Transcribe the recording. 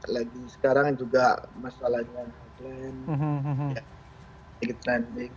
lagi sekarang juga masalahnya